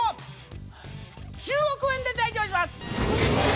１０億円で提供します！